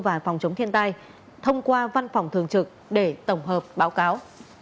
và phòng chống thiên tai thông qua văn phòng thường trực để tổng hợp báo cáo